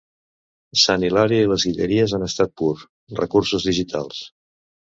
Sant Hilari i les Guilleries en estat pur: recursos digitals.